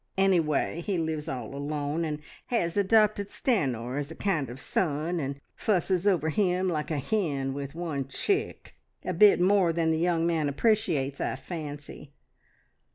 Anyway, he lives all alone, and has adopted Stanor as a kind of son, and fusses over him like a hen with one chick a bit more than the young man appreciates, I fancy."